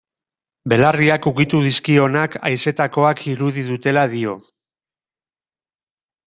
Belarriak ukitu dizkionak, haizetakoak irudi dutela dio.